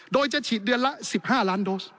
โดยจะฉีดเดือนละ๑๕ล้านโดส